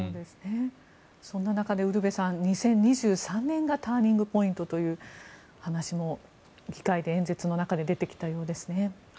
そんな中でウルヴェさん２０２３年がターニングポイントという話も議会の演説の中で出てきたようですね。